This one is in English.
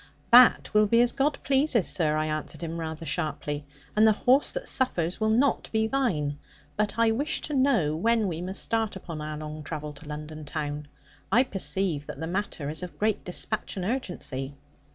'That will be as God pleases, sir,' I answered him, rather sharply; 'and the horse that suffers will not be thine. But I wish to know when we must start upon our long travel to London town. I perceive that the matter is of great despatch and urgency.'